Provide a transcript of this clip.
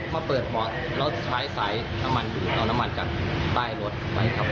มาเปิดเบาะแล้วใช้สายน้ำมันเอาน้ำมันจากใต้รถไว้ครับ